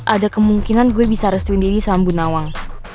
ada kemungkinan gue bisa restuin didi sama bu nawang